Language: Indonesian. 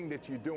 jadi itu saja